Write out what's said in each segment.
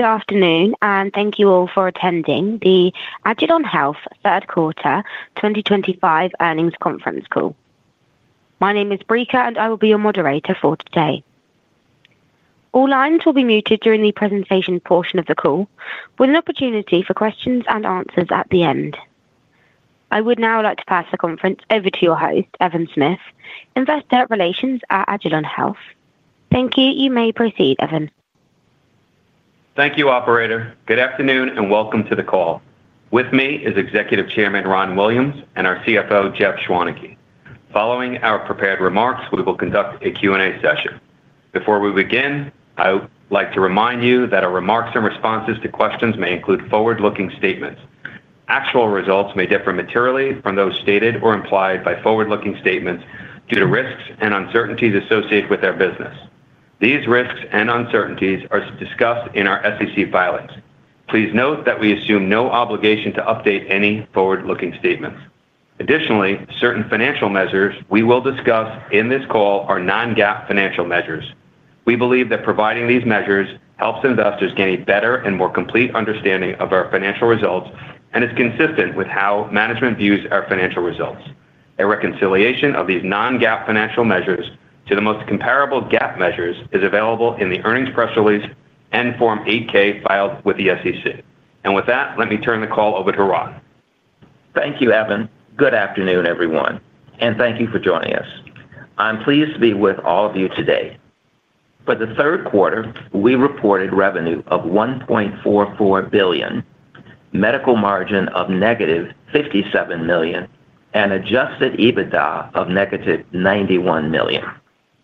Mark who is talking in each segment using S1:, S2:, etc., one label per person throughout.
S1: Good afternoon, and thank you all for attending the Agilon Health Third Quarter 2025 Earnings Conference call. My name is Brika, and I will be your moderator for today. All lines will be muted during the presentation portion of the call, with an opportunity for questions and answers at the end. I would now like to pass the conference over to your host, Evan Smith, Investor Relations at Agilon Health. Thank you. You may proceed, Evan.
S2: Thank you, Operator. Good afternoon, and welcome to the call. With me is Executive Chairman Ron Williams and our CFO, Jeff Schwaneke. Following our prepared remarks, we will conduct a Q&A session. Before we begin, I would like to remind you that our remarks and responses to questions may include forward-looking statements. Actual results may differ materially from those stated or implied by forward-looking statements due to risks and uncertainties associated with our business. These risks and uncertainties are discussed in our SEC filings. Please note that we assume no obligation to update any forward-looking statements. Additionally, certain financial measures we will discuss in this call are non-GAAP financial measures. We believe that providing these measures helps investors gain a better and more complete understanding of our financial results and is consistent with how management views our financial results. A reconciliation of these non-GAAP financial measures to the most comparable GAAP measures is available in the earnings press release and Form 8-K filed with the SEC. And with that, let me turn the call over to Ron.
S3: Thank you, Evan. Good afternoon, everyone, and thank you for joining us. I'm pleased to be with all of you today. For the third quarter, we reported revenue of $1.44 billion, medical margin of -$57 million, and adjusted EBITDA of -$91 million.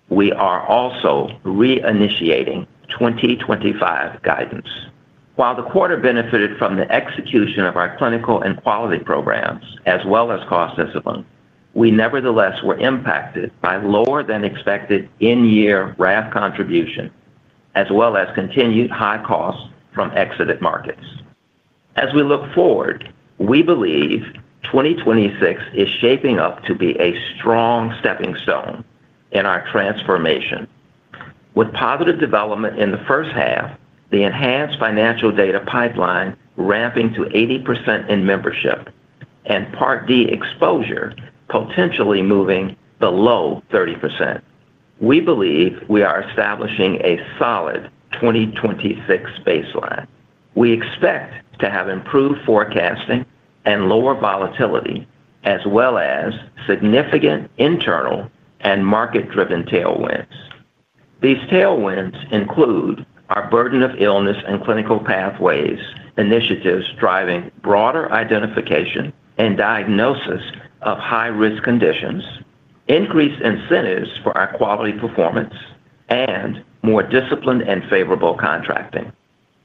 S3: We are also reinitiating 2025 guidance. While the quarter benefited from the execution of our clinical and quality programs, as well as cost discipline, we nevertheless were impacted by lower-than-expected in-year RAF contribution, as well as continued high costs from exited markets. As we look forward, we believe 2026 is shaping up to be a strong stepping stone in our transformation, with positive development in the first half, the enhanced financial data pipeline ramping to 80% in membership, and Part D exposure potentially moving below 30%. We believe we are establishing a solid 2026 baseline. We expect to have improved forecasting and lower volatility, as well as significant internal and market-driven tailwinds. These tailwinds include our burden of illness and clinical pathways initiatives driving broader identification and diagnosis of high-risk conditions, increased incentives for our quality performance, and more disciplined and favorable contracting.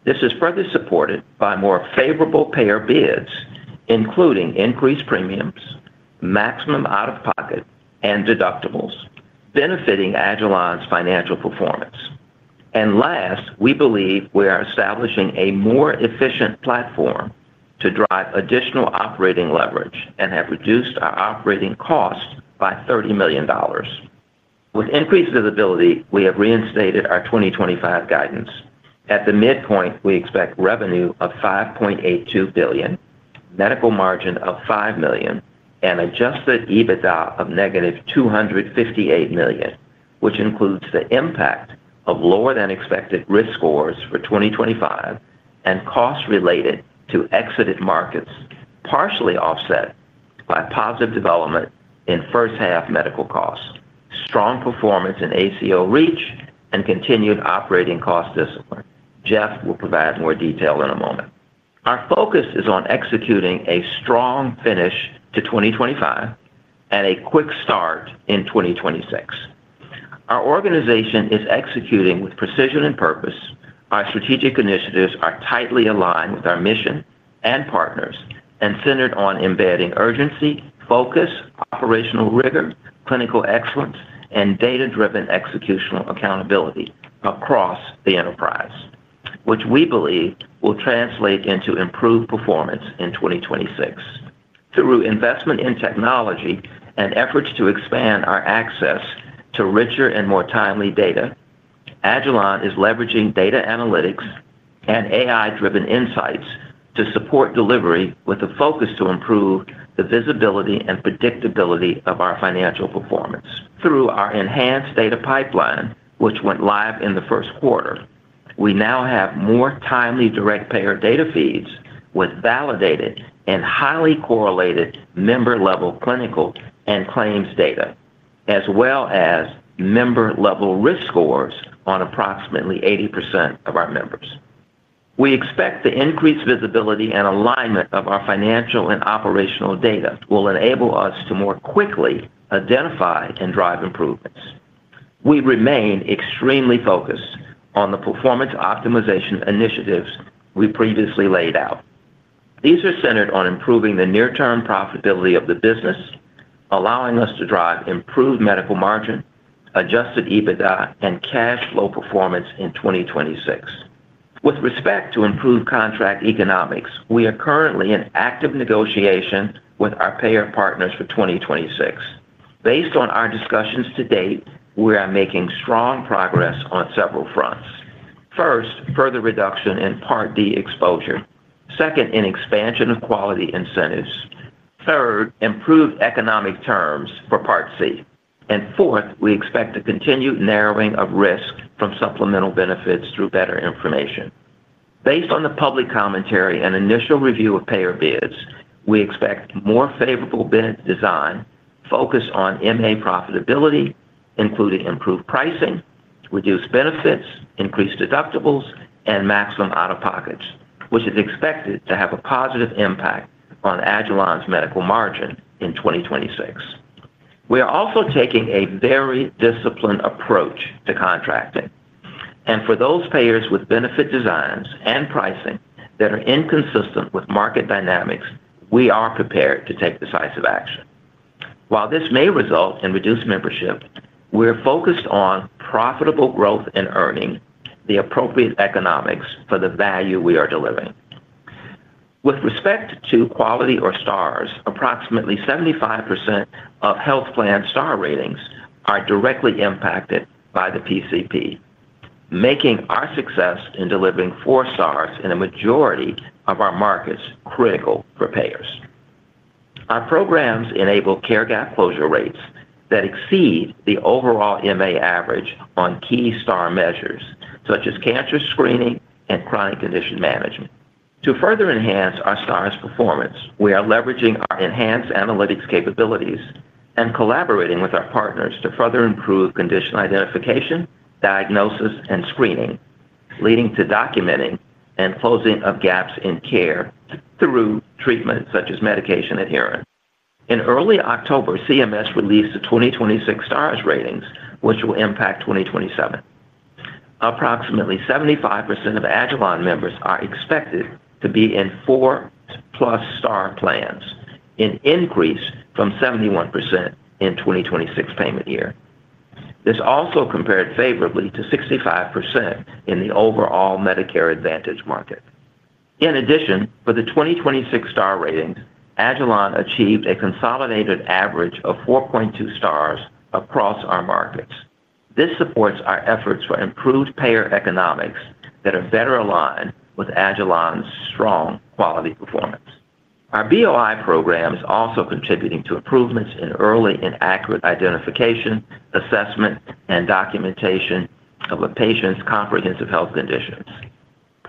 S3: This is further supported by more favorable payer bids, including increased premiums, maximum out-of-pocket, and deductibles, benefiting Agilon's financial performance. And last, we believe we are establishing a more efficient platform to drive additional operating leverage and have reduced our operating costs by $30 million. With increased visibility, we have reinstated our 2025 guidance. At the midpoint, we expect revenue of $5.82 billion, medical margin of $5 million, and adjusted EBITDA of -$258 million, which includes the impact of lower-than-expected risk scores for 2025 and costs related to exited markets, partially offset by positive development in first-half medical costs, strong performance in ACO REACH, and continued operating cost discipline. Jeff will provide more detail in a moment. Our focus is on executing a strong finish to 2025 and a quick start in 2026. Our organization is executing with precision and purpose. Our strategic initiatives are tightly aligned with our mission and partners and centered on embedding urgency, focus, operational rigor, clinical excellence, and data-driven executional accountability across the enterprise, which we believe will translate into improved performance in 2026. Through investment in technology and efforts to expand our access to richer and more timely data, Agilon is leveraging data analytics and AI-driven insights to support delivery with a focus to improve the visibility and predictability of our financial performance. Through our enhanced data pipeline, which went live in the first quarter, we now have more timely direct payer data feeds with validated and highly correlated member-level clinical and claims data, as well as member-level risk scores on approximately 80% of our members. We expect the increased visibility and alignment of our financial and operational data will enable us to more quickly identify and drive improvements. We remain extremely focused on the performance optimization initiatives we previously laid out. These are centered on improving the near-term profitability of the business. Allowing us to drive improved medical margin, adjusted EBITDA, and cash flow performance in 2026. With respect to improved contract economics, we are currently in active negotiation with our payer partners for 2026. Based on our discussions to-date, we are making strong progress on several fronts. First, further reduction in Part D exposure. Second, an expansion of quality incentives. Third, improved economic terms for Part C. And fourth, we expect a continued narrowing of risk from supplemental benefits through better information. Based on the public commentary and initial review of payer bids, we expect more favorable bid design focused on M&A profitability, including improved pricing, reduced benefits, increased deductibles, and maximum out-of-pocket, which is expected to have a positive impact on Agilon's medical margin in 2026. We are also taking a very disciplined approach to contracting. And for those payers with benefit designs and pricing that are inconsistent with market dynamics, we are prepared to take decisive action. While this may result in reduced membership, we're focused on profitable growth and earning the appropriate economics for the value we are delivering. With respect to quality or stars, approximately 75% of health plan Star Ratings are directly impacted by the PCP, making our success in delivering four stars in a majority of our markets critical for payers. Our programs enable care gap closure rates that exceed the overall MA average on key star measures such as Cancer Screening and Chronic Condition Management. To further enhance our stars' performance, we are leveraging our enhanced analytics capabilities and collaborating with our partners to further improve condition identification, diagnosis, and screening, leading to documenting and closing of gaps in care through treatment such as medication adherence. In early October, CMS released the 2026 Stars Ratings, which will impact 2027. Approximately 75% of Agilon members are expected to be in 4+ Star plans, an increase from 71% in 2026 payment year. This also compared favorably to 65% in the overall Medicare Advantage market. In addition, for the 2026 Stars Ratings, Agilon achieved a consolidated average of 4.2 stars across our markets. This supports our efforts for improved payer economics that are better aligned with Agilon's strong quality performance. Our BOI program is also contributing to improvements in early and accurate identification, assessment, and documentation of a patient's comprehensive health conditions.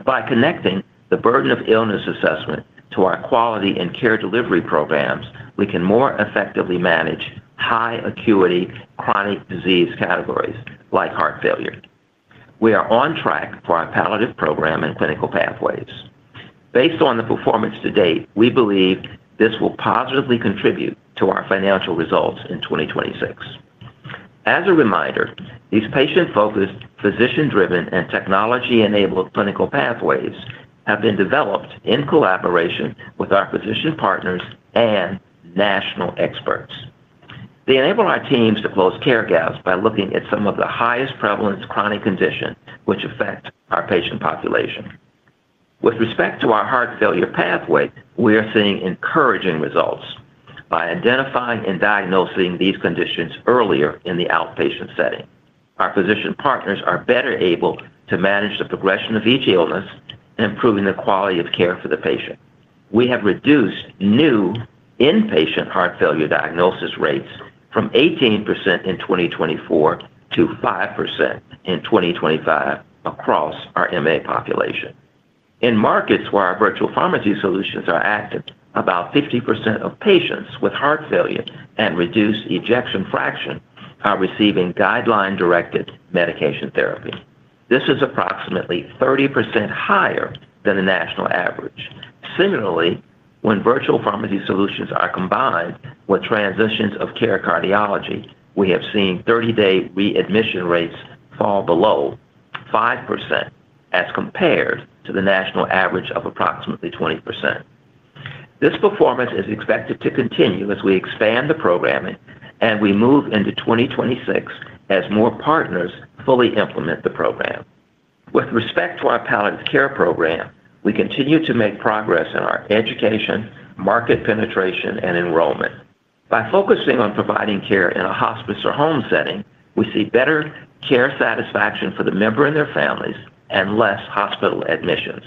S3: By connecting the burden of illness assessment to our quality and care delivery programs, we can more effectively manage high-acuity chronic disease categories like heart failure. We are on track for our palliative program and clinical pathways. Based on the performance to-date, we believe this will positively contribute to our financial results in 2026. As a reminder, these patient-focused, physician-driven, and technology-enabled clinical pathways have been developed in collaboration with our physician partners and national experts. They enable our teams to close care gaps by looking at some of the highest prevalence chronic conditions which affect our patient population. With respect to our heart failure pathway, we are seeing encouraging results by identifying and diagnosing these conditions earlier in the outpatient setting. Our physician partners are better able to manage the progression of each illness, improving the quality of care for the patient. We have reduced new inpatient heart failure diagnosis rates from 18% in 2024 to 5% in 2025 across our MA population. In markets where our virtual pharmacy solutions are active, about 50% of patients with heart failure and reduced ejection fraction are receiving guideline-directed medication therapy. This is approximately 30% higher than the national average. Similarly, when virtual pharmacy solutions are combined with transitions of care cardiology, we have seen 30-day readmission rates fall below 5% as compared to the national average of approximately 20%. This performance is expected to continue as we expand the programming and we move into 2026 as more partners fully implement the program. With respect to our palliative care program, we continue to make progress in our education, market penetration, and enrollment. By focusing on providing care in a hospice or home setting, we see better care satisfaction for the member and their families and less hospital admissions.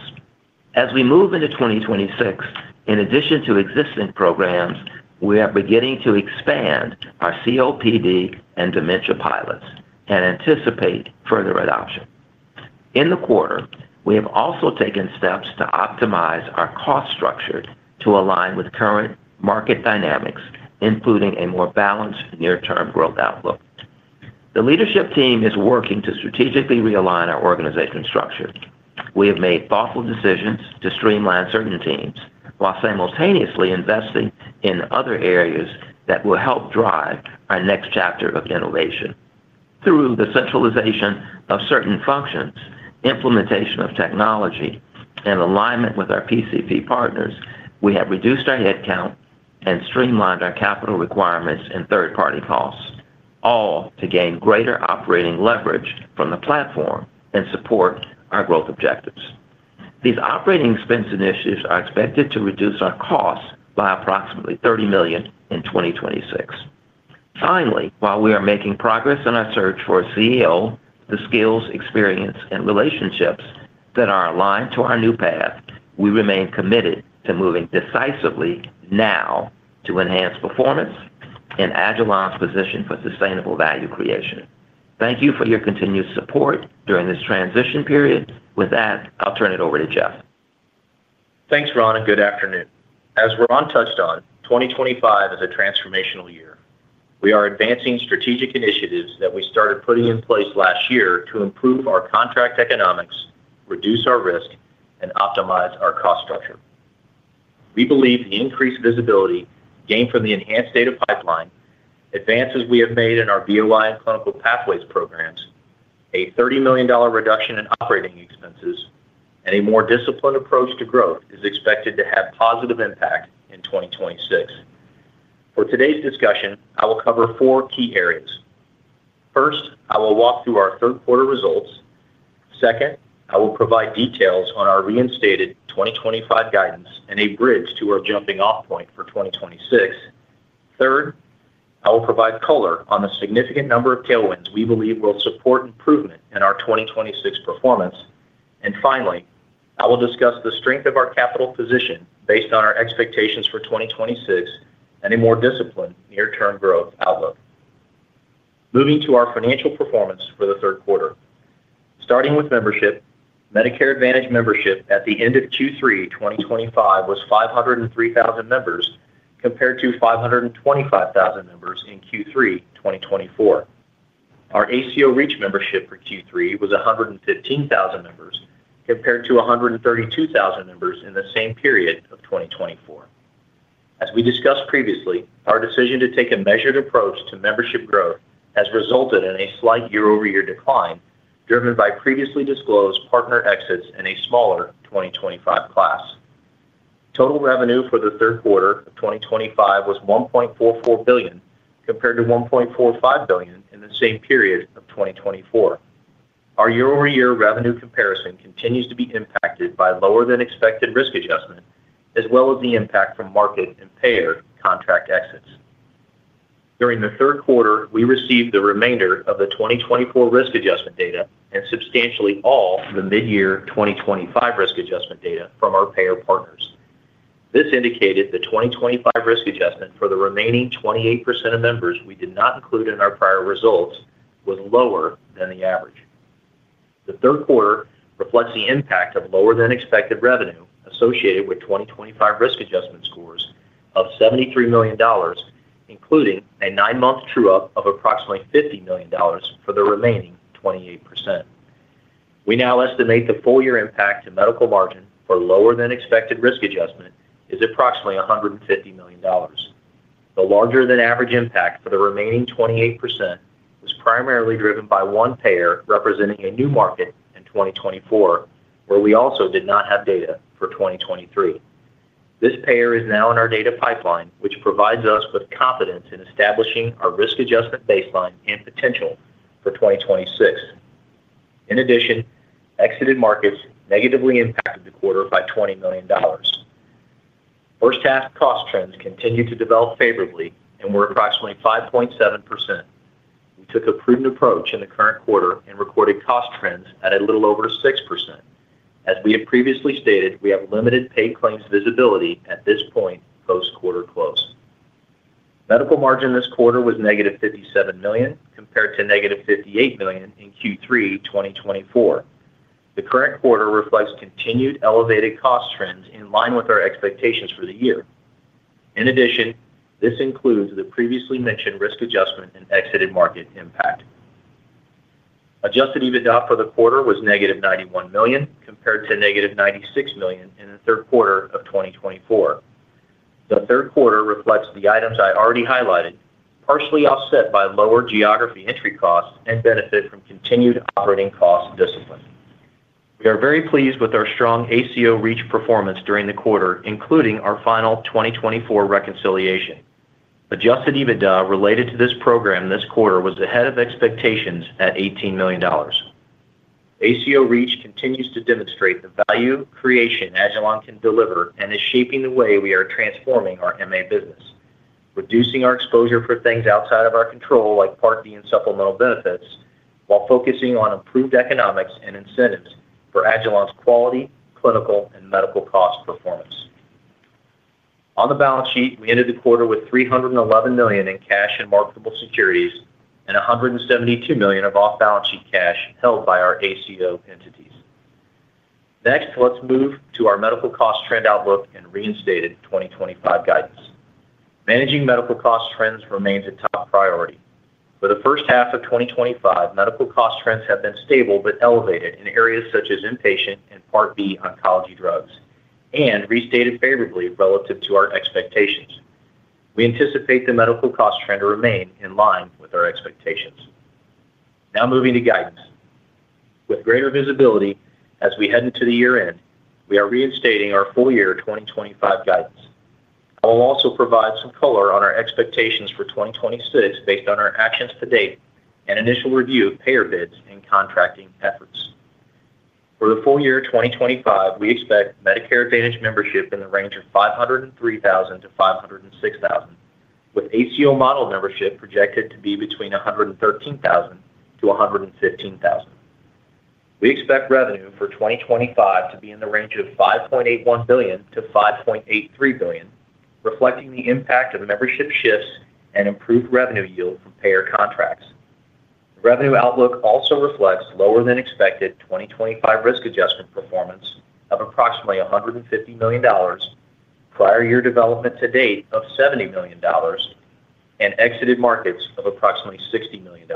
S3: As we move into 2026, in addition to existing programs, we are beginning to expand our COPD and dementia pilots and anticipate further adoption. In the quarter, we have also taken steps to optimize our cost structure to align with current market dynamics, including a more balanced near-term growth outlook. The leadership team is working to strategically realign our organizational structure. We have made thoughtful decisions to streamline certain teams while simultaneously investing in other areas that will help drive our next chapter of innovation. Through the centralization of certain functions, implementation of technology, and alignment with our PCP partners, we have reduced our headcount and streamlined our capital requirements and third-party costs, all to gain greater operating leverage from the platform and support our growth objectives. These operating expense initiatives are expected to reduce our costs by approximately $30 million in 2026. Finally, while we are making progress in our search for a CEO, the skills, experience, and relationships that are aligned to our new path, we remain committed to moving decisively now to enhance performance and Agilon's position for sustainable value creation. Thank you for your continued support during this transition period. With that, I'll turn it over to Jeff.
S4: Thanks, Ron, and good afternoon. As Ron touched on, 2025 is a transformational year. We are advancing strategic initiatives that we started putting in place last year to improve our contract economics, reduce our risk, and optimize our cost structure. We believe the increased visibility gained from the enhanced data pipeline, advances we have made in our BOI and clinical pathways programs, a $30 million reduction in operating expenses, and a more disciplined approach to growth is expected to have positive impact in 2026. For today's discussion, I will cover four key areas. First, I will walk through our third-quarter results. Second, I will provide details on our reinstated 2025 guidance and a bridge to our jumping-off point for 2026. Third, I will provide color on the significant number of tailwinds we believe will support improvement in our 2026 performance. And finally, I will discuss the strength of our capital position based on our expectations for 2026 and a more disciplined near-term growth outlook. Moving to our financial performance for the third quarter. Starting with membership, Medicare Advantage membership at the end of Q3 2025 was 503,000 members compared to 525,000 members in Q3 2024. Our ACO REACH membership for Q3 was 115,000 members compared to 132,000 members in the same period of 2024. As we discussed previously, our decision to take a measured approach to membership growth has resulted in a slight year-over-year decline driven by previously disclosed partner exits in a smaller 2025 class. Total revenue for the third quarter of 2025 was $1.44 billion compared to $1.45 billion in the same period of 2024. Our year-over-year revenue comparison continues to be impacted by lower-than-expected risk adjustment, as well as the impact from market and payer contract exits. During the third quarter, we received the remainder of the 2024 risk adjustment data and substantially all the mid-year 2025 risk adjustment data from our payer partners. This indicated the 2025 risk adjustment for the remaining 28% of members we did not include in our prior results was lower than the average. The third quarter reflects the impact of lower-than-expected revenue associated with 2025 risk adjustment scores of $73 million, including a nine-month true-up of approximately $50 million for the remaining 28%. We now estimate the full-year impact to medical margin for lower-than-expected risk adjustment is approximately $150 million. The larger-than-average impact for the remaining 28% was primarily driven by one payer representing a new market in 2024, where we also did not have data for 2023. This payer is now in our data pipeline, which provides us with confidence in establishing our risk adjustment baseline and potential for 2026. In addition, exited markets negatively impacted the quarter by $20 million. First half cost trends continue to develop favorably and were approximately 5.7%. We took a prudent approach in the current quarter and recorded cost trends at a little over 6%. As we have previously stated, we have limited paid claims visibility at this point post-quarter close. Medical margin this quarter was -$57 million compared to -$58 million in Q3 2024. The current quarter reflects continued elevated cost trends in line with our expectations for the year. In addition, this includes the previously mentioned risk adjustment and exited market impact. Adjusted EBITDA for the quarter was -$91 million compared to -$96 million in the third quarter of 2024. The third quarter reflects the items I already highlighted, partially offset by lower geography entry costs and benefit from continued operating cost discipline. We are very pleased with our strong ACO REACH performance during the quarter, including our final 2024 reconciliation. Adjusted EBITDA related to this program this quarter was ahead of expectations at $18 million. ACO REACH continues to demonstrate the value creation Agilon can deliver and is shaping the way we are transforming our MA business, reducing our exposure for things outside of our control, like Part D and supplemental benefits, while focusing on improved economics and incentives for Agilon's quality, clinical, and medical cost performance. On the balance sheet, we ended the quarter with $311 million in cash and marketable securities and $172 million of off-balance sheet cash held by our ACO entities. Next, let's move to our medical cost trend outlook and reinstated 2025 guidance. Managing medical cost trends remains a top priority. For the first half of 2025, medical cost trends have been stable but elevated in areas such as inpatient and Part B oncology drugs and restated favorably relative to our expectations. We anticipate the medical cost trend to remain in line with our expectations. Now moving to guidance. With greater visibility as we head into the year-end, we are reinstating our full-year 2025 guidance. I will also provide some color on our expectations for 2026 based on our actions to-date and initial review of payer bids and contracting efforts. For the full-year 2025, we expect Medicare Advantage membership in the range of 503,000-506,000, with ACO Model membership projected to be between 113,000-15,000. We expect revenue for 2025 to be in the range of $5.81 billion-$5.83 billion, reflecting the impact of membership shifts and improved revenue yield from payer contracts. The revenue outlook also reflects lower-than-expected 2025 risk adjustment performance of approximately $150 million, prior-year development to-date of $70 million, and exited markets of approximately $60 million.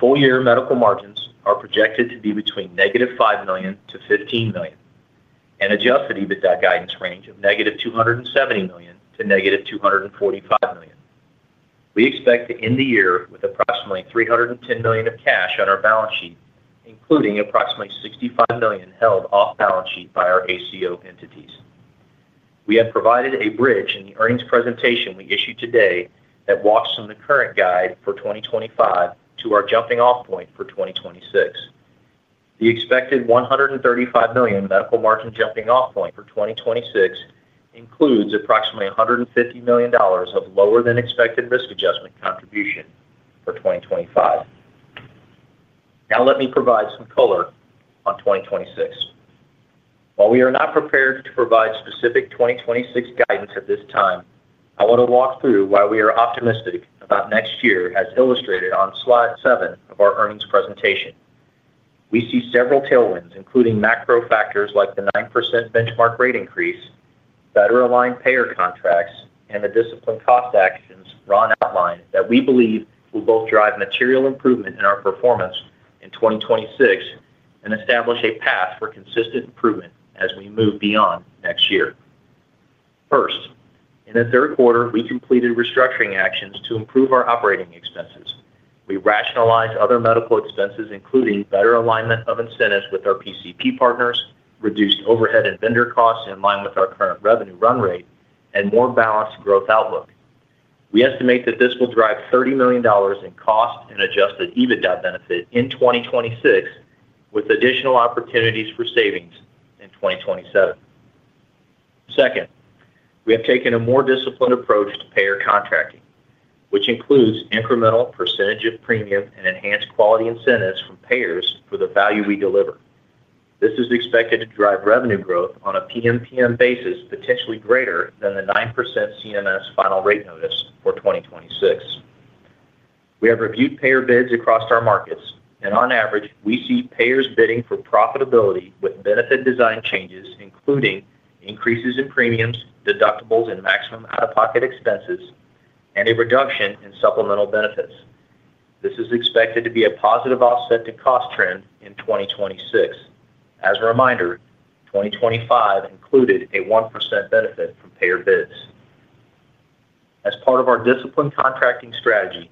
S4: Full-year medical margins are projected to be between -$5 million to $15 million and adjusted EBITDA guidance range of -$270 million to -$245 million. We expect to end the year with approximately $310 million of cash on our balance sheet, including approximately $65 million held off-balance sheet by our ACO entities. We have provided a bridge in the earnings presentation we issued today that walks from the current guide for 2025 to our jumping-off point for 2026. The expected $135 million medical margin jumping-off point for 2026 includes approximately $150 million of lower-than-expected risk adjustment contribution for 2025. Now let me provide some color on 2026. While we are not prepared to provide specific 2026 guidance at this time, I want to walk through why we are optimistic about next year, as illustrated on slide seven of our earnings presentation. We see several tailwinds, including macro factors like the 9% benchmark rate increase, better-aligned payer contracts, and the discipline cost actions Ron outlined that we believe will both drive material improvement in our performance in 2026 and establish a path for consistent improvement as we move beyond next year. First, in the third quarter, we completed restructuring actions to improve our operating expenses. We rationalized other medical expenses, including better alignment of incentives with our PCP partners, reduced overhead and vendor costs in line with our current revenue run rate, and more balanced growth outlook. We estimate that this will drive $30 million in cost and adjusted EBITDA benefit in 2026, with additional opportunities for savings in 2027. Second, we have taken a more disciplined approach to payer contracting, which includes incremental percentage of premium and enhanced quality incentives from payers for the value we deliver. This is expected to drive revenue growth on a PMPM basis, potentially greater than the 9% CMS final rate notice for 2026. We have reviewed payer bids across our markets, and on average, we see payers bidding for profitability with benefit design changes, including increases in premiums, deductibles, and maximum out-of-pocket expenses, and a reduction in supplemental benefits. This is expected to be a positive offset to cost trend in 2026. As a reminder, 2025 included a 1% benefit from payer bids. As part of our disciplined contracting strategy,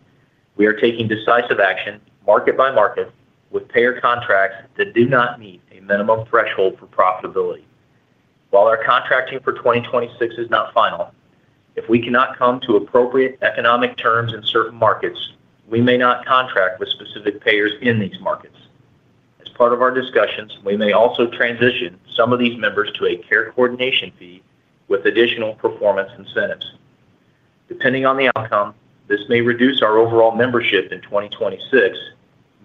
S4: we are taking decisive action market by market with payer contracts that do not meet a minimum threshold for profitability. While our contracting for 2026 is not final, if we cannot come to appropriate economic terms in certain markets, we may not contract with specific payers in these markets. As part of our discussions, we may also transition some of these members to a care coordination fee with additional performance incentives. Depending on the outcome, this may reduce our overall membership in 2026,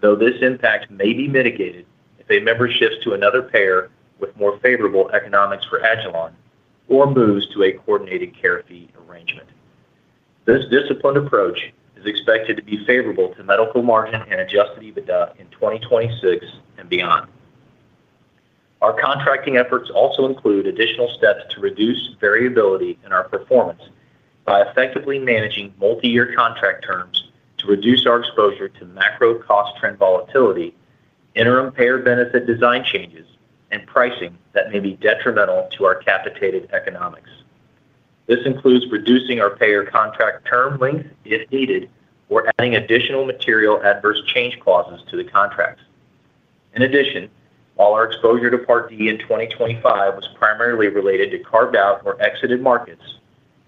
S4: though this impact may be mitigated if a member shifts to another payer with more favorable economics for Agilon or moves to a coordinated care fee arrangement. This disciplined approach is expected to be favorable to medical margin and adjusted EBITDA in 2026 and beyond. Our contracting efforts also include additional steps to reduce variability in our performance by effectively managing multi-year contract terms to reduce our exposure to macro cost trend volatility, interim payer benefit design changes, and pricing that may be detrimental to our capitated economics. This includes reducing our payer contract term length if needed or adding additional material adverse change clauses to the contracts. In addition, while our exposure to Part D in 2025 was primarily related to carved-out or exited markets,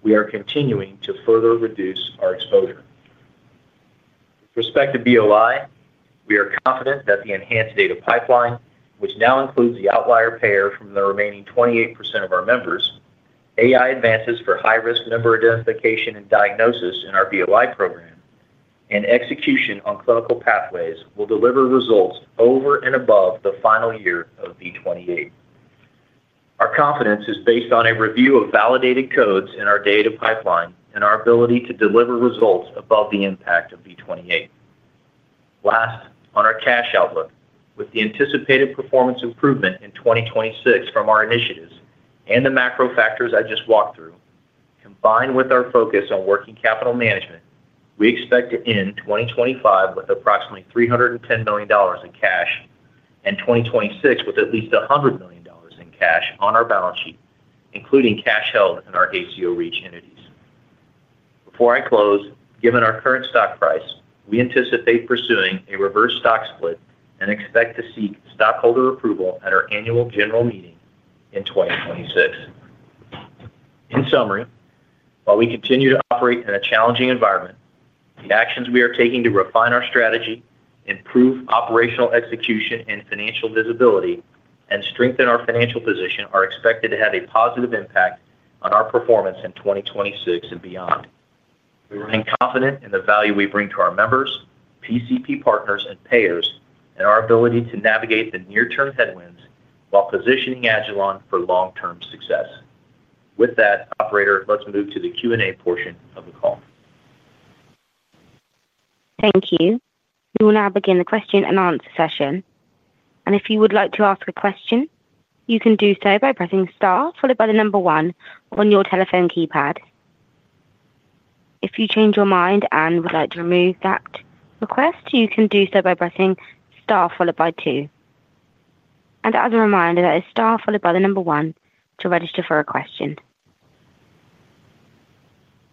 S4: we are continuing to further reduce our exposure. With respect to BOI, we are confident that the enhanced data pipeline, which now includes the outlier payer from the remaining 28% of our members, AI advances for high-risk member identification and diagnosis in our BOI program, and execution on clinical pathways will deliver results over and above the final year of V28. Our confidence is based on a review of validated codes in our data pipeline and our ability to deliver results above the impact of V28. Last, on our cash outlook, with the anticipated performance improvement in 2026 from our initiatives and the macro factors I just walked through, combined with our focus on working capital management, we expect to end 2025 with approximately $310 million in cash and 2026 with at least $100 million in cash on our balance sheet, including cash held in our ACO reach entities. Before I close, given our current stock price, we anticipate pursuing a reverse stock split and expect to seek stockholder approval at our annual general meeting in 2026. In summary, while we continue to operate in a challenging environment, the actions we are taking to refine our strategy, improve operational execution and financial visibility, and strengthen our financial position are expected to have a positive impact on our performance in 2026 and beyond. We remain confident in the value we bring to our members, PCP partners, and payers, and our ability to navigate the near-term headwinds while positioning Agilon for long-term success. With that, Operator, let's move to the Q&A portion of the call.
S1: Thank you. We will now begin the question and answer session. And if you would like to ask a question, you can do so by pressing star followed by the number one on your telephone keypad. If you change your mind and would like to remove that request, you can do so by pressing star followed by two. And as a reminder, that is Star followed by the number one to register for a question.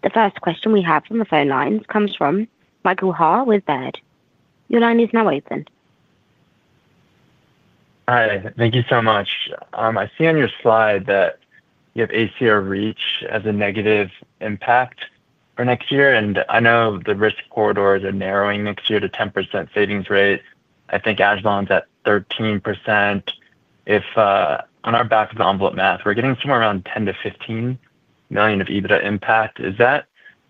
S1: The first question we have from the phone lines comes from Michael Ha with Baird.
S5: Your line is now open. Hi. Thank you so much. I see on your slide that you have ACO reach as a negative impact for next year. And I know the risk corridors are narrowing next year to 10% savings rate. I think Agilon's at 13%. If on our back of the envelope math, we're getting somewhere around 10 to 15 million of EBITDA impact. Is that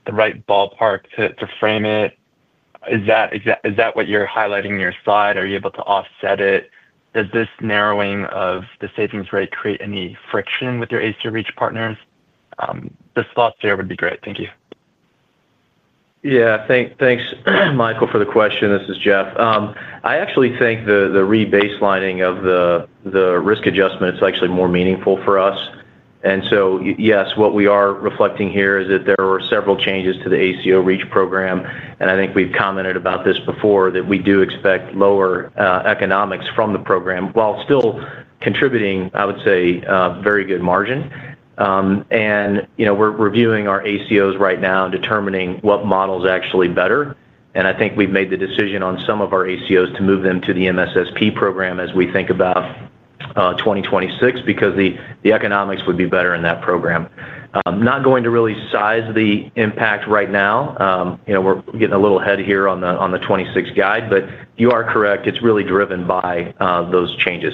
S5: the right ballpark to frame it? Is that what you're highlighting in your slide? Are you able to offset it? Does this narrowing of the savings rate create any friction with your ACO REACH partners? The thoughts there would be great. Thank you.
S4: Yeah. Thanks, Michael, for the question. This is Jeff. I actually think the rebaselining of the risk adjustment is actually more meaningful for us. And so, yes, what we are reflecting here is that there were several changes to the ACO REACH program. And I think we've commented about this before that we do expect lower economics from the program while still contributing, I would say, very good margin. And we're reviewing our ACOs right now and determining what model is actually better. And I think we've made the decision on some of our ACOs to move them to the MSSP program as we think about 2026 because the economics would be better in that program. Not going to really size the impact right now. We're getting a little ahead here on the 2026 guide. But you are correct. It's really driven by those changes.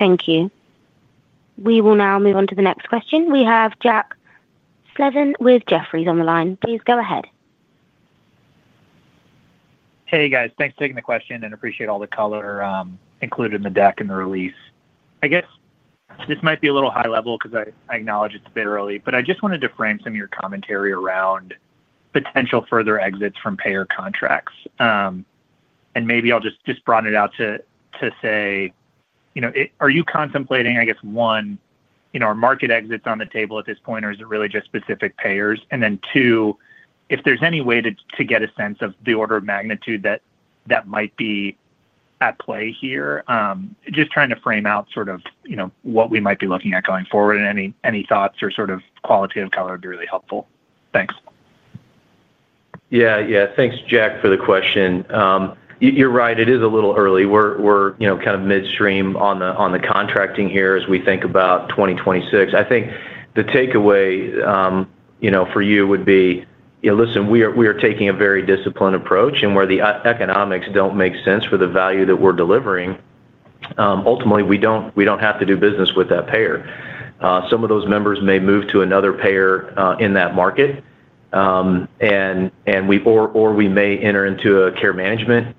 S5: Thank you.
S1: We will now move on to the next question. We have Jack Slevin with Jefferies on the line. Please go ahead.
S6: Hey, guys. Thanks for taking the question and appreciate all the color included in the deck and the release. I guess this might be a little high level because I acknowledge it's a bit early. But I just wanted to frame some of your commentary around potential further exits from payer contracts. And maybe I'll just broaden it out to say are you contemplating, I guess, one, are market exits on the table at this point, or is it really just specific payers? And then two, if there's any way to get a sense of the order of magnitude that might be at play here, just trying to frame out sort of what we might be looking at going forward and any thoughts or sort of qualitative color would be really helpful. Thanks.
S4: Yeah. Yeah. Thanks, Jack, for the question. You're right. It is a little early. We're kind of midstream on the contracting here as we think about 2026. I think the takeaway for you would be, listen, we are taking a very disciplined approach. And where the economics don't make sense for the value that we're delivering ultimately, we don't have to do business with that payer. Some of those members may move to another payer in that market. Or we may enter into a care management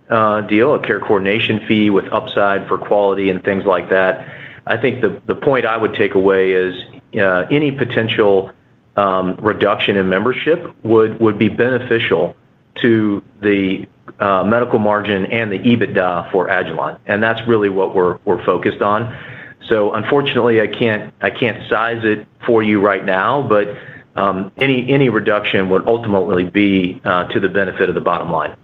S4: deal, a care coordination fee with upside for quality and things like that. I think the point I would take away is any potential reduction in membership would be beneficial to the medical margin and the EBITDA for Agilon. And that's really what we're focused on. So unfortunately, I can't size it for you right now. But any reduction would ultimately be to the benefit of the bottom line.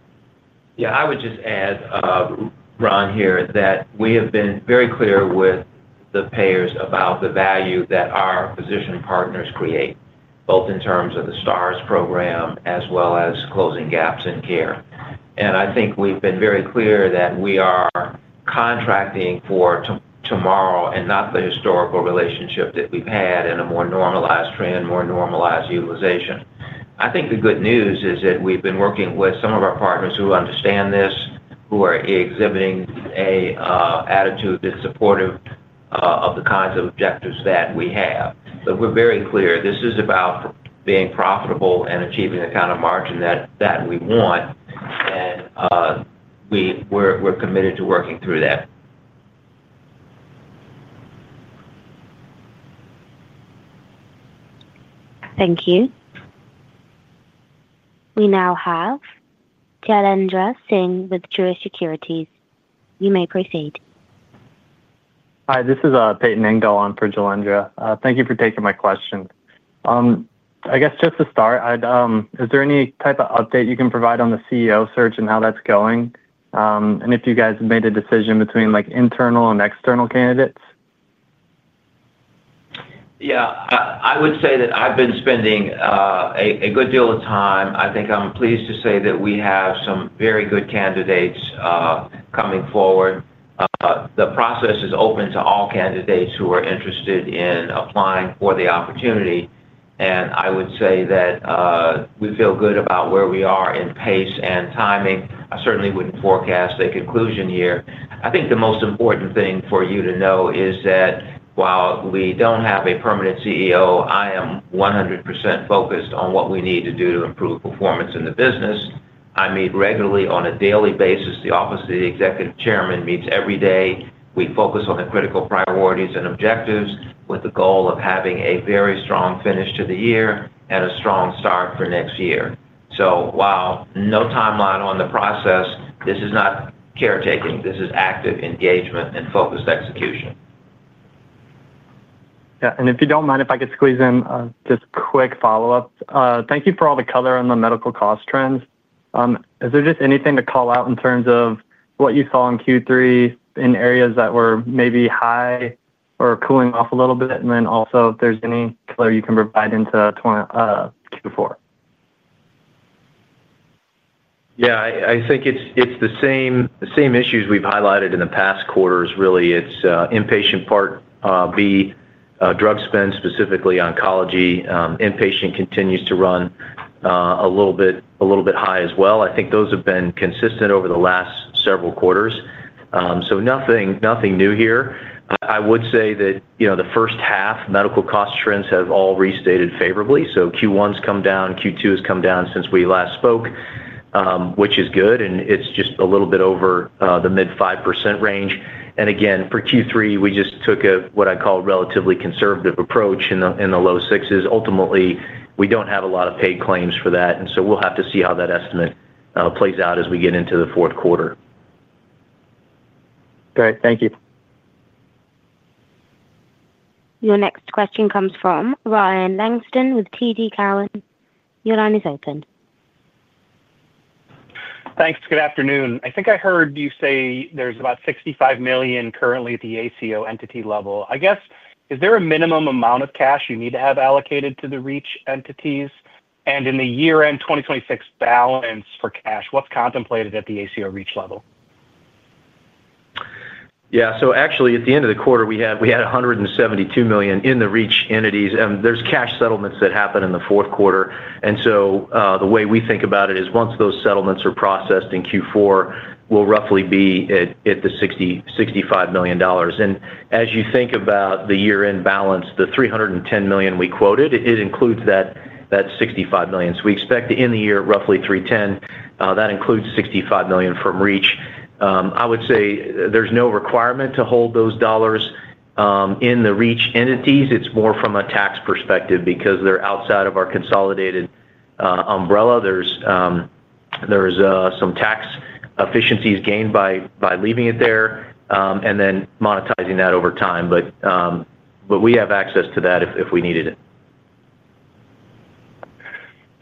S3: Yeah. I would just add, Ron here, that we have been very clear with the payers about the value that our physician partners create, both in terms of the STARS program as well as closing gaps in care. And I think we've been very clear that we are contracting for tomorrow and not the historical relationship that we've had and a more normalized trend, more normalized utilization. I think the good news is that we've been working with some of our partners who understand this, who are exhibiting an attitude that's supportive of the kinds of objectives that we have. But we're very clear this is about being profitable and achieving the kind of margin that we want. And we're committed to working through that.
S1: Thank you. We now have Jailendra Singh with Truist Securities.
S7: You may proceed. Hi. This is Payton Engdahl on for Jailendra. Thank you for taking my question. I guess just to start, is there any type of update you can provide on the CEO search and how that's going? And if you guys have made a decision between internal and external candidates?
S3: Yeah. I would say that I've been spending a good deal of time. I think I'm pleased to say that we have some very good candidates coming forward. The process is open to all candidates who are interested in applying for the opportunity. And I would say that we feel good about where we are in pace and timing. I certainly wouldn't forecast a conclusion here. I think the most important thing for you to know is that while we don't have a permanent CEO, I am 100% focused on what we need to do to improve performance in the business. I meet regularly on a daily basis. The Office of the Executive Chairman meets every day. We focus on the critical priorities and objectives with the goal of having a very strong finish to the year and a strong start for next year. So while no timeline on the process, this is not caretaking. This is active engagement and focused execution.
S7: Yeah. And if you don't mind, if I could squeeze in just quick follow-ups, thank you for all the color on the medical cost trends. Is there just anything to call out in terms of what you saw in Q3 in areas that were maybe high or cooling off a little bit? And then also, if there's any color you can provide into Q4.
S4: Yeah. I think it's the same issues we've highlighted in the past quarters. Really, it's inpatient Part B drug spend, specifically oncology. Inpatient continues to run a little bit high as well. I think those have been consistent over the last several quarters. So nothing new here. I would say that the first half, medical cost trends have all restated favorably. So Q1 has come down. Q2 has come down since we last spoke, which is good. And it's just a little bit over the mid-5% range. And again, for Q3, we just took a what I call relatively conservative approach in the low 6s. Ultimately, we don't have a lot of paid claims for that. And so we'll have to see how that estimate plays out as we get into the fourth quarter.
S7: Great. Thank you.
S1: Your next question comes from Ryan Langston with TD Cowen. Your line is open.
S8: Thanks. Good afternoon. I think I heard you say there's about $65 million currently at the ACO entity level. I guess, is there a minimum amount of cash you need to have allocated to the REACH entities? And in the year-end 2026 balance for cash, what's contemplated at the ACO REACH level?
S4: Yeah. So actually, at the end of the quarter, we had $172 million in the REACH entities. And there's cash settlements that happen in the fourth quarter. And so the way we think about it is once those settlements are processed in Q4, we'll roughly be at the $65 million. And as you think about the year-end balance, the $310 million we quoted, it includes that $65 million. So we expect in the year roughly $310 million. That includes $65 million from REACH. I would say there's no requirement to hold those dollars in the REACH entities. It's more from a tax perspective because they're outside of our consolidated umbrella. There's some tax efficiencies gained by leaving it there and then monetizing that over time. But we have access to that if we needed it.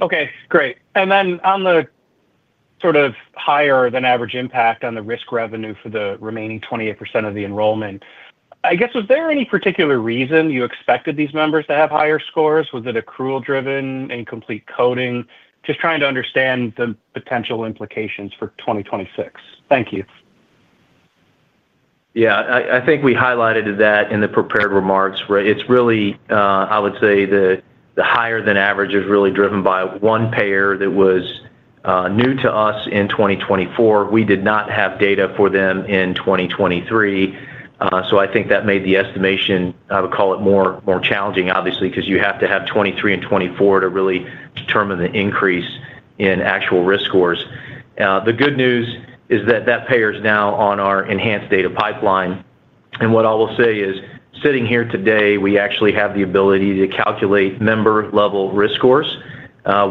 S8: Okay. Great. And then on the sort of higher-than-average impact on the risk revenue for the remaining 28% of the enrollment, I guess, was there any particular reason you expected these members to have higher scores? Was it a crew-driven, incomplete coding? Just trying to understand the potential implications for 2026. Thank you.
S4: Yeah. I think we highlighted that in the prepared remarks. It's really, I would say, the higher-than-average is really driven by one payer that was new to us in 2024. We did not have data for them in 2023. So I think that made the estimation, I would call it, more challenging, obviously, because you have to have 2023 and 2024 to really determine the increase in actual risk scores. The good news is that that payer is now on our enhanced data pipeline. And what I will say is, sitting here today, we actually have the ability to calculate member-level risk scores.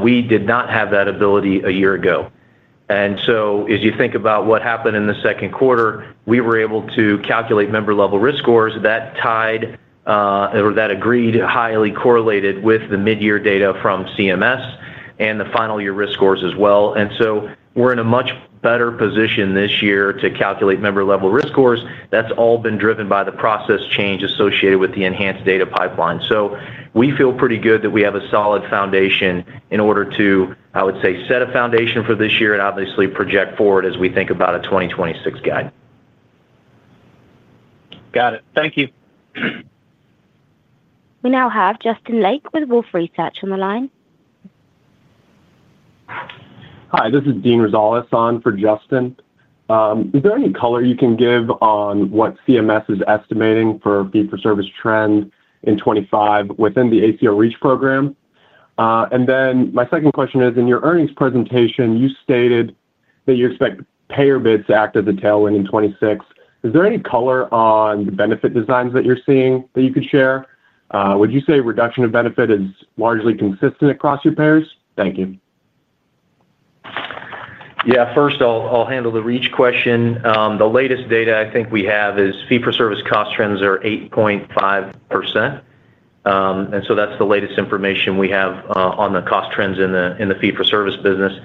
S4: We did not have that ability a year ago. And so as you think about what happened in the second quarter, we were able to calculate member-level risk scores that tied or that agreed highly correlated with the mid-year data from CMS and the final-year risk scores as well. And so we're in a much better position this year to calculate member-level risk scores. That's all been driven by the process change associated with the enhanced data pipeline. So we feel pretty good that we have a solid foundation in order to, I would say, set a foundation for this year and obviously project forward as we think about a 2026 guide.
S8: Got it. Thank you.
S1: We now have Justin Lake with Wolfe Research on the line.
S9: Hi. This is Dean Rosales on for Justin. Is there any color you can give on what CMS is estimating for fee-for-service trend in 2025 within the ACO REACH program? And then my second question is, in your earnings presentation, you stated that you expect payer bids to act as a tailwind in 2026. Is there any color on the benefit designs that you're seeing that you could share? Would you say reduction of benefit is largely consistent across your payers? Thank you.
S4: Yeah. First, I'll handle the REACH question. The latest data I think we have is fee-for-service cost trends are 8.5%. And so that's the latest information we have on the cost trends in the fee-for-service business.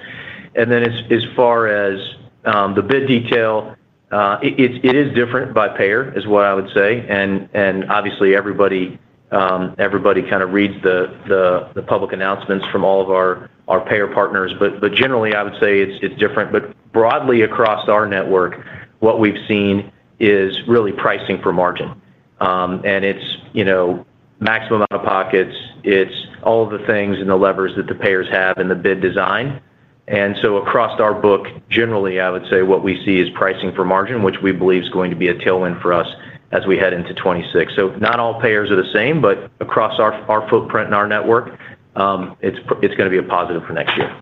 S4: And then as far as the bid detail. It is different by payer, is what I would say. And obviously, everybody kind of reads the public announcements from all of our payer partners. But generally, I would say it's different. But broadly across our network, what we've seen is really pricing for margin. And it's maximum out-of-pockets. It's all of the things and the levers that the payers have in the bid design. And so across our book, generally, I would say what we see is pricing for margin, which we believe is going to be a tailwind for us as we head into 2026. So not all payers are the same. But across our footprint and our network, it's going to be a positive for next year.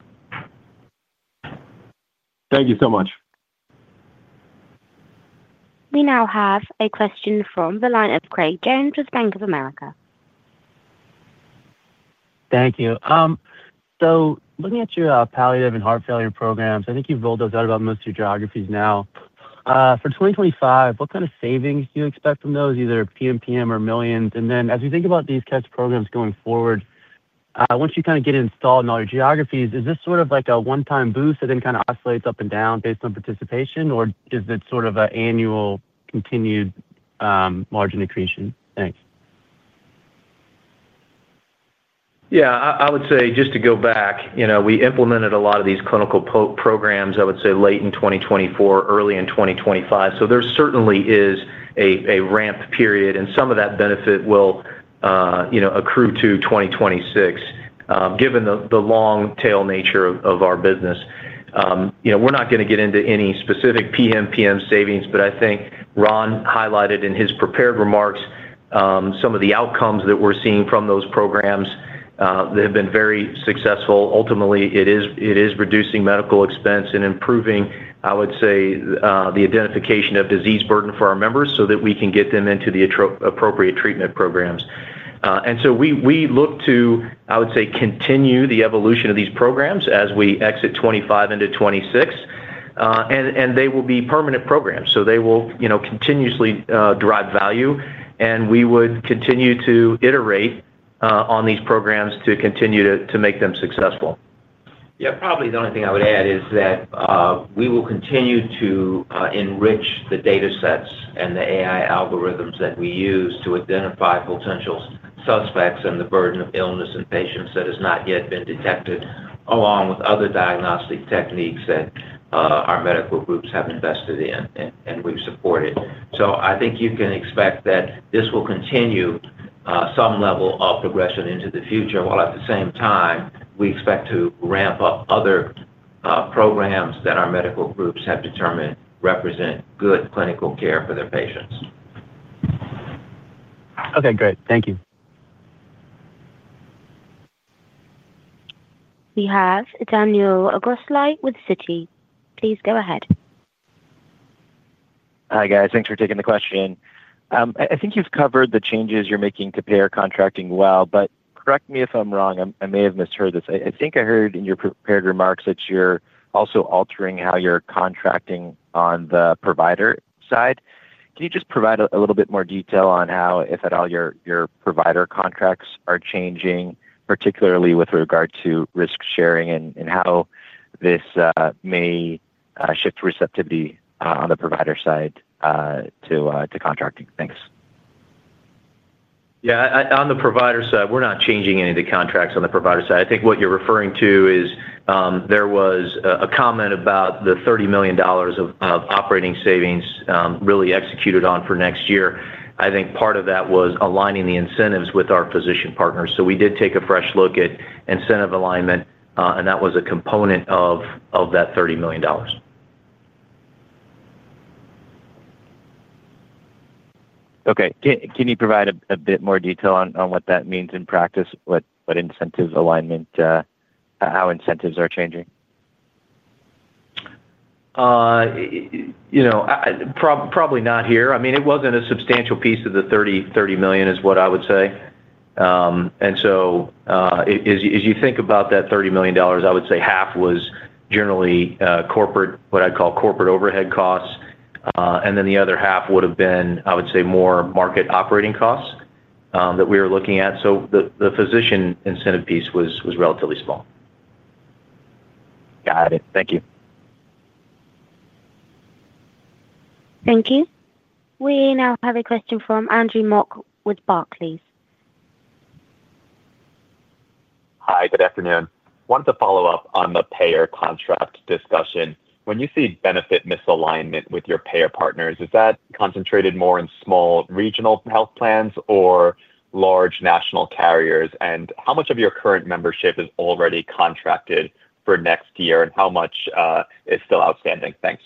S9: Thank you so much.
S1: We now have a question from the line of Craig Jones with Bank of America.
S10: Thank you. So looking at your palliative and heart failure programs, I think you've rolled those out about most of your geographies now. For 2025, what kind of savings do you expect from those, either PMPM or millions? And then as we think about these kinds of programs going forward, once you kind of get installed in all your geographies, is this sort of like a one-time boost that then kind of oscillates up and down based on participation, or is it sort of an annual continued margin accretion? Thanks.
S4: Yeah. I would say just to go back, we implemented a lot of these clinical programs, I would say, late in 2024, early in 2025. So there certainly is a ramp period. And some of that benefit will accrue to 2026. Given the long-tail nature of our business, we're not going to get into any specific PMPM savings. But I think Ron highlighted in his prepared remarks some of the outcomes that we're seeing from those programs that have been very successful. Ultimately, it is reducing medical expense and improving, I would say, the identification of burden of illness for our members so that we can get them into the appropriate treatment programs. And so we look to, I would say, continue the evolution of these programs as we exit 2025 into 2026. And they will be permanent programs. So they will continuously derive value. And we would continue to iterate on these programs to continue to make them successful.
S3: Yeah. Probably the only thing I would add is that we will continue to enrich the data sets and the AI algorithms that we use to identify potential suspects and the burden of illness in patients that has not yet been detected, along with other diagnostic techniques that our medical groups have invested in and we've supported. So I think you can expect that this will continue some level of progression into the future. While at the same time, we expect to ramp up other. Programs that our medical groups have determined represent good clinical care for their patients.
S10: Okay. Great. Thank you.
S1: We have Daniel Grosslight with Citi. Please go ahead.
S11: Hi, guys. Thanks for taking the question. I think you've covered the changes you're making to payer contracting well. But correct me if I'm wrong. I may have misheard this. I think I heard in your prepared remarks that you're also altering how you're contracting on the provider side. Can you just provide a little bit more detail on how, if at all, your provider contracts are changing, particularly with regard to risk sharing and how this may shift receptivity on the provider side to contracting? Thanks.
S4: Yeah. On the provider side, we're not changing any of the contracts on the provider side. I think what you're referring to is there was a comment about the $30 million of operating savings really executed on for next year. I think part of that was aligning the incentives with our physician partners. So we did take a fresh look at incentive alignment, and that was a component of that $30 million.
S11: Okay. Can you provide a bit more detail on what that means in practice, how incentives are changing? Probably not here.
S4: I mean, it wasn't a substantial piece of the $30 million, is what I would say. And so as you think about that $30 million, I would say half was generally what I'd call corporate overhead costs. And then the other half would have been, I would say, more market operating costs that we were looking at. So the physician incentive piece was relatively small.
S11: Got it. Thank you. Thank you.
S1: We now have a question from Andrew Mok with Barclays.
S12: Hi. Good afternoon. I wanted to follow up on the payer contract discussion. When you see benefit misalignment with your payer partners, is that concentrated more in small regional health plans or large national carriers? And how much of your current membership is already contracted for next year, and how much is still outstanding? Thanks.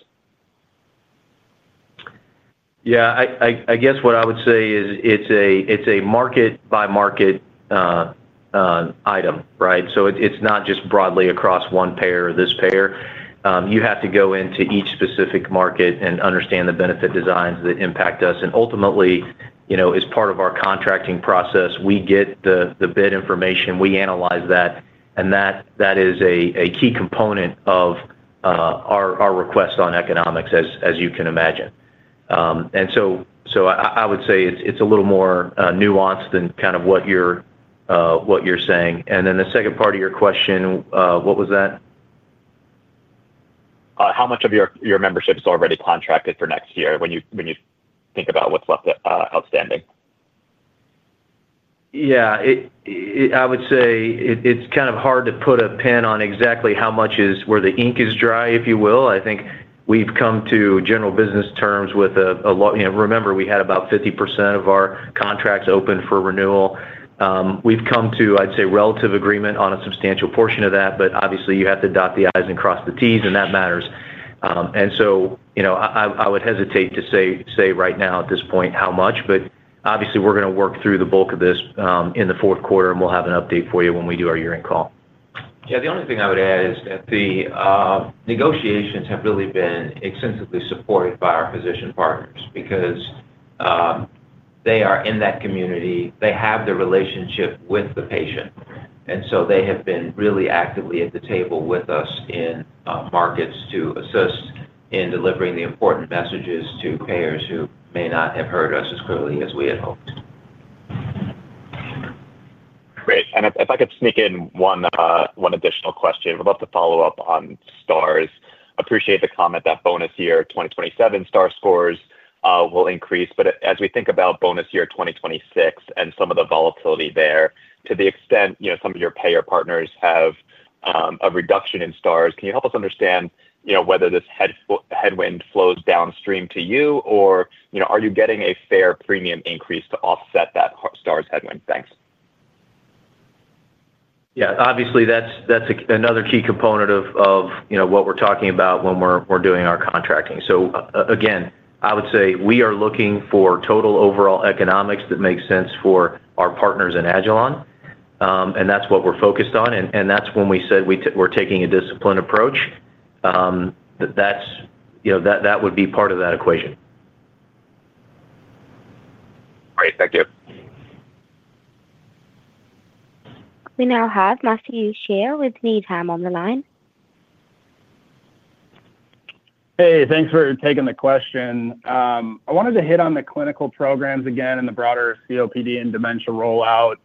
S4: Yeah. I guess what I would say is it's a market-by-market item, right? So it's not just broadly across one payer or this payer. You have to go into each specific market and understand the benefit designs that impact us. And ultimately, as part of our contracting process, we get the bid information. We analyze that. And that is a key component of our request on economics, as you can imagine. And so I would say it's a little more nuanced than kind of what you're saying. And then the second part of your question, what was that?
S12: How much of your membership is already contracted for next year when you think about what's left outstanding?
S4: Yeah. I would say it's kind of hard to put a pin on exactly how much is where the ink is dry, if you will. I think we've come to general business terms with a lot remember, we had about 50% of our contracts open for renewal. We've come to, I'd say, relative agreement on a substantial portion of that. But obviously, you have to dot the i's and cross the t's, and that matters. And so. I would hesitate to say right now at this point how much. But obviously, we're going to work through the bulk of this in the fourth quarter, and we'll have an update for you when we do our year-end call. Yeah. The only thing I would add is that the negotiations have really been extensively supported by our physician partners because they are in that community. They have the relationship with the patient. And so they have been really actively at the table with us in markets to assist in delivering the important messages to payers who may not have heard us as clearly as we had hoped.
S12: Great. And if I could sneak in one additional question, I would love to follow up on STARS. Appreciate the comment that bonus year 2027 STARS scores will increase. But as we think about bonus year 2026 and some of the volatility there, to the extent some of your payer partners have a reduction in STARS, can you help us understand whether this headwind flows downstream to you, or are you getting a fair premium increase to offset that STARS headwind? Thanks.
S4: Yeah. Obviously, that's another key component of what we're talking about when we're doing our contracting. So again, I would say we are looking for total overall economics that makes sense for our partners in Agilon. And that's what we're focused on. And that's when we said we're taking a disciplined approach. That would be part of that equation.
S12: Great. Thank you.
S1: We now have Matthew Shea with Needham on the line.
S13: Hey. Thanks for taking the question. I wanted to hit on the clinical programs again and the broader COPD and dementia rollout.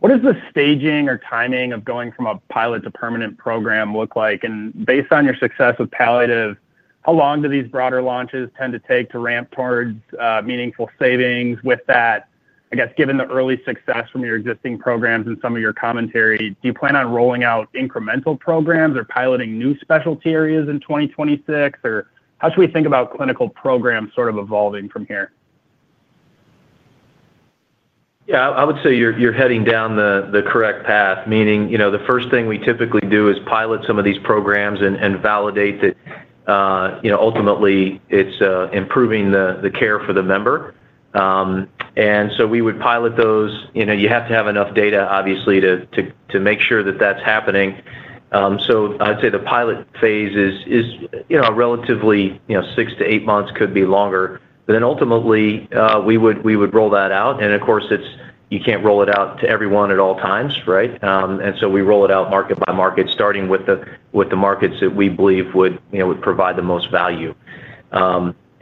S13: What does the staging or timing of going from a pilot to permanent program look like? And based on your success with palliative, how long do these broader launches tend to take to ramp towards meaningful savings? With that, I guess, given the early success from your existing programs and some of your commentary, do you plan on rolling out incremental programs or piloting new specialty areas in 2026? Or how should we think about clinical programs sort of evolving from here?
S4: Yeah. I would say you're heading down the correct path, meaning the first thing we typically do is pilot some of these programs and validate that. Ultimately, it's improving the care for the member. And so we would pilot those. You have to have enough data, obviously, to make sure that that's happening. So I'd say the pilot phase is a relatively six to eight months, could be longer. But then ultimately, we would roll that out. And of course, you can't roll it out to everyone at all times, right? And so we roll it out market-by-market, starting with the markets that we believe would provide the most value.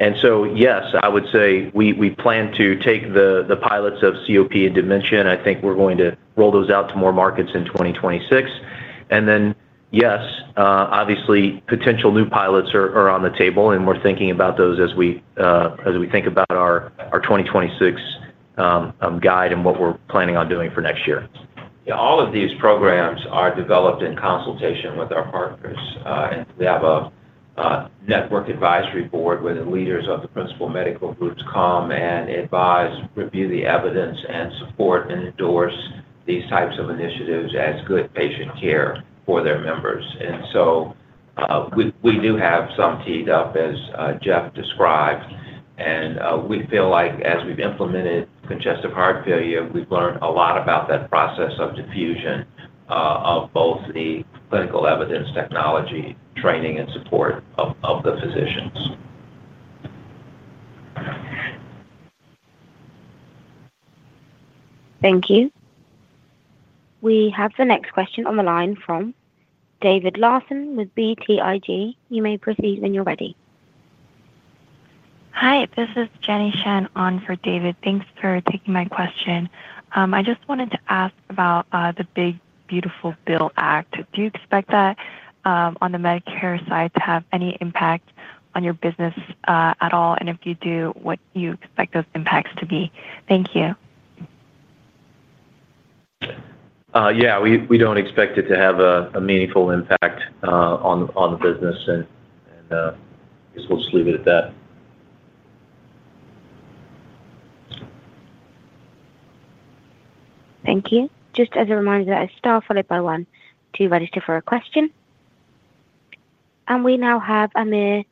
S4: And so yes, I would say we plan to take the pilots of COP and dementia. And I think we're going to roll those out to more markets in 2026. And then yes, obviously, potential new pilots are on the table. And we're thinking about those as we think about our 2026 guide and what we're planning on doing for next year.
S3: Yeah. All of these programs are developed in consultation with our partners. And we have a network advisory board where the leaders of the principal medical groups come and advise, review the evidence, and support and endorse these types of initiatives as good patient care for their members. And so we do have some teed up, as Jeff described. And we feel like, as we've implemented congestive heart failure, we've learned a lot about that process of diffusion of both the clinical evidence, technology, training, and support of the physicians.
S1: Thank you. We have the next question on the line from David Larsen with BTIG. You may proceed when you're ready.
S14: Hi. This is Jenny Shen on for David. Thanks for taking my question. I just wanted to ask about the Big Beautiful Bill Act. Do you expect that on the Medicare side to have any impact on your business at all? And if you do, what do you expect those impacts to be? Thank you.
S3: Yeah. We don't expect it to have a meaningful impact on the business. And I guess we'll just leave it at that.
S1: Thank you. Just as a reminder that STAR, followed by one, to register for a question. And we now have Amir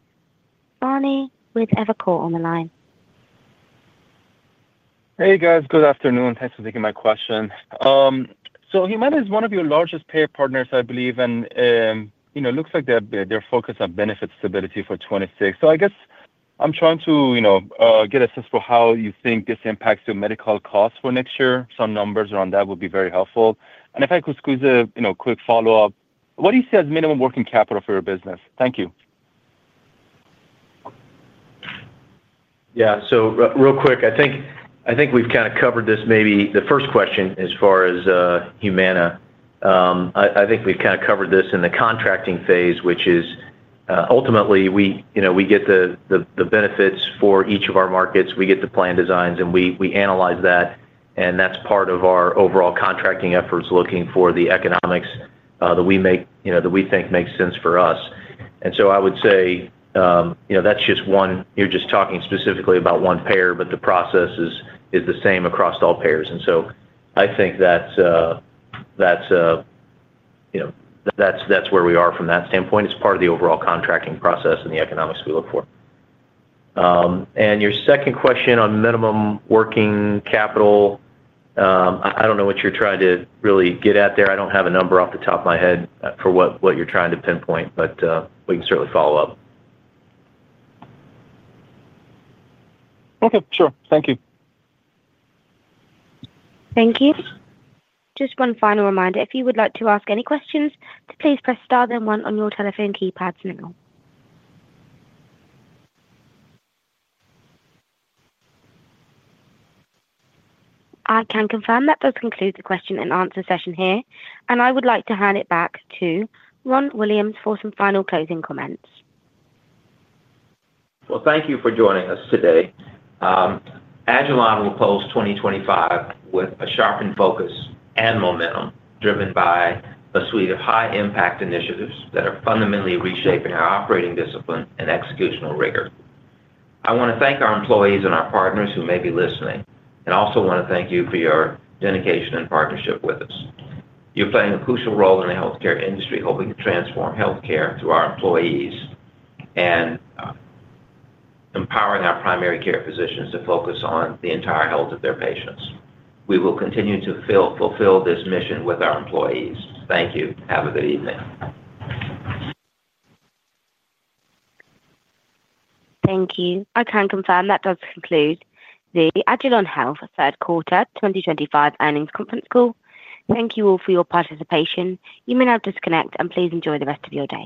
S1: Bani with Evercore on the line.
S15: Hey, guys. Good afternoon. Thanks for taking my question. So Humana is one of your largest payer partners, I believe. And it looks like they're focused on benefit stability for 2026. So I guess I'm trying to get a sense for how you think this impacts your medical costs for next year. Some numbers around that would be very helpful. And if I could squeeze a quick follow-up, what do you see as minimum working capital for your business? Thank you.
S4: Yeah. So real quick, I think we've kind of covered this maybe the first question as far as Humana. I think we've kind of covered this in the contracting phase, which is ultimately we get the benefits for each of our markets. We get the plan designs, and we analyze that. And that's part of our overall contracting efforts, looking for the economics that we think makes sense for us. And so I would say that's just one. You're just talking specifically about one payer, but the process is the same across all payers. And so I think that's where we are from that standpoint. It's part of the overall contracting process and the economics we look for. And your second question on minimum working capital, I don't know what you're trying to really get at there. I don't have a number off the top of my head for what you're trying to pinpoint, but we can certainly follow up.
S15: Okay. Sure. Thank you.
S1: Thank you. Just one final reminder. If you would like to ask any questions, please press star then one on your telephone keypads now. I can confirm that does conclude the question-and-answer session here. And I would like to hand it back to Ron Williams for some final closing comments.
S3: Well, thank you for joining us today. Agilon will post 2025 with a sharpened focus and momentum driven by a suite of high-impact initiatives that are fundamentally reshaping our operating discipline and executional rigor. I want to thank our employees and our partners who may be listening, and also want to thank you for your dedication and partnership with us. You're playing a crucial role in the healthcare industry, helping to transform healthcare through our employees. And empowering our primary care physicians to focus on the entire health of their patients. We will continue to fulfill this mission with our employees. Thank you. Have a good evening.
S1: Thank you. I can confirm that does conclude the Agilon Health Third Quarter 2025 Earnings Conference Call. Thank you all for your participation. You may now disconnect, and please enjoy the rest of your day.